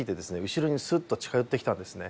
後ろにスッと近寄ってきたんですね